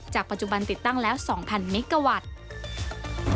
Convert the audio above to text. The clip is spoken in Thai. ปัจจุบันติดตั้งแล้ว๒๐๐เมกาวัตต์